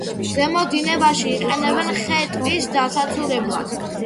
ზემო დინებაში იყენებენ ხე-ტყის დასაცურებლად.